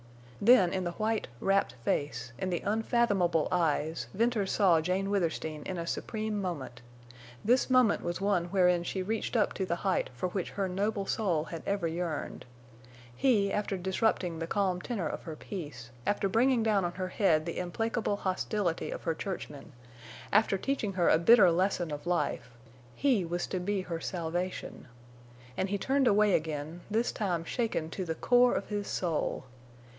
Then in the white, rapt face, in the unfathomable eyes, Venters saw Jane Withersteen in a supreme moment. This moment was one wherein she reached up to the height for which her noble soul had ever yearned. He, after disrupting the calm tenor of her peace, after bringing down on her head the implacable hostility of her churchmen, after teaching her a bitter lesson of life—he was to be her salvation. And he turned away again, this time shaken to the core of his soul.